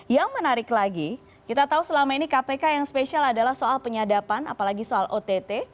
yang menarik lagi kita tahu selama ini kpk yang spesial adalah soal penyadapan apalagi soal ott